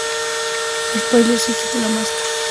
Spoiler se quita la máscara y resulta ser Stephanie.